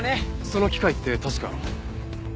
その機械って確か。